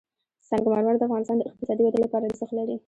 سنگ مرمر د افغانستان د اقتصادي ودې لپاره ارزښت لري.